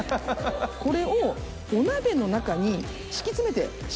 これをお鍋の中に敷き詰めてしまいます。